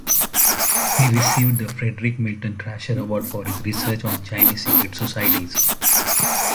He received the Frederic Milton Thrasher Award for his research on Chinese secret societies.